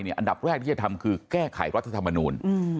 อันดับแรกที่จะทำคือแก้ไขรัฐธรรมนูล